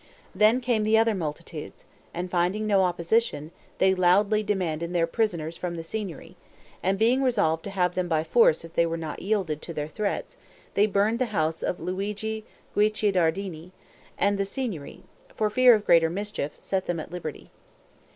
Then came the other multitudes, and finding no opposition, they loudly demanded their prisoners from the Signory; and being resolved to have them by force if they were not yielded to their threats, they burned the house of Luigi Guicciardini; and the Signory, for fear of greater mischief, set them at liberty.